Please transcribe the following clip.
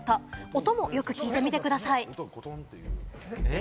音もよく聞いてみてください。